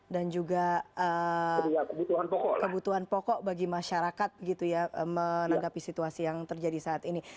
dan juga kebutuhan pokok bagi masyarakat menanggapi situasi yang terjadi saat ini